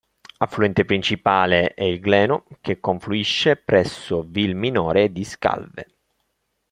Affluente principale è il Gleno, che confluisce presso Vilminore di Scalve.